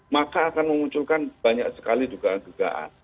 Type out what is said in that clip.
maka akan memunculkan banyak sekali dugaan dugaan